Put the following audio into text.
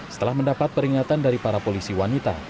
setelah mendapat peringatan dari para polisi wanita